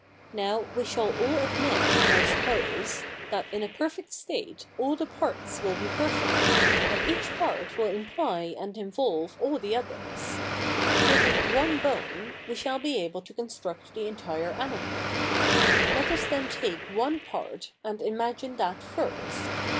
Now, we shall all admit, I suppose, that in a perfect state all the parts will be perfect, and each part will imply and involve all the others. Given one bone, we shall be able to construct the entire animal. Let us then take one part, and imagine that first.